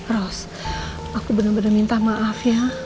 ros aku bener bener minta maaf ya